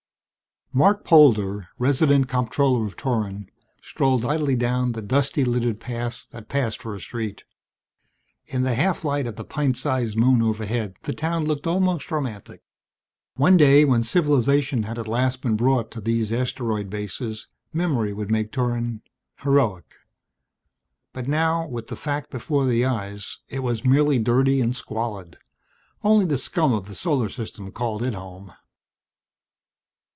Marc Polder, Resident Comptroller of Torran, strolled idly down the dusty littered path that passed for a street. In the half light of the pint sized moon overhead the town looked almost romantic. One day, when civilization had at last been brought to these Asteroid bases, memory would make Torran heroic. But now, with the fact before the eyes, it was merely dirty and squalid. Only the scum of the Solar System called it home.